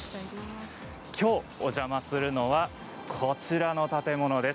きょうお邪魔するのはこちらの建物です。